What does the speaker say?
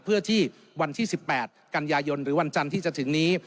เพื่อที่วันที่๑๘กันยายนหรือวันจันทร์ที่จะถึงนี้